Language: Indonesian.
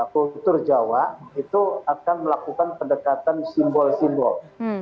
kultur jawa itu akan melakukan pendekatan simbol simbol